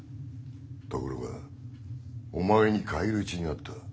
ところがお前に返り討ちに遭った。